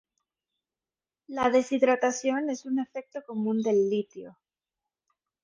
La deshidratación es un efecto común del litio.